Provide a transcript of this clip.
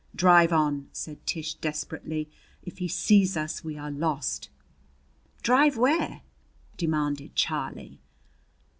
"Drive on!" said Tish desperately. "If he sees us we are lost!" "Drive where?" demanded Charlie.